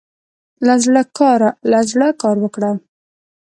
له زړۀ کار وکړه.